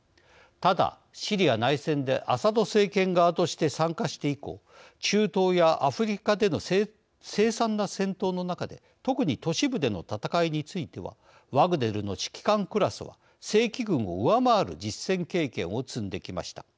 ただシリア内戦でアサド政権側として参加して以降中東やアフリカでの凄惨な戦闘の中で特に都市部での戦いについてはワグネルの指揮官クラスは正規軍を上回る実戦経験を積んできました。